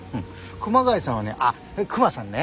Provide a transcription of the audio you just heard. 熊谷さんはねあっクマさんね。